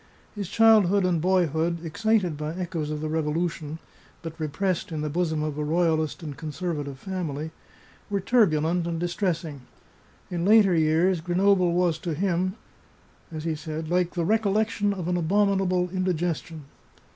His childhood and boyhood, excited by echoes of the Revolution, but repressed in the bosom of a royalist and conservative family, were turbulent and distressing; in later years Grenoble zvas to him "like the recollection of an abominable indigestion."